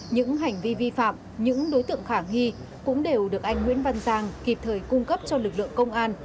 những hành vi vi phạm những đối tượng khả nghi cũng đều được anh nguyễn văn giang kịp thời cung cấp cho lực lượng công an